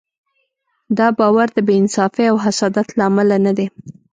دا باور د بې انصافۍ او حسادت له امله نه دی.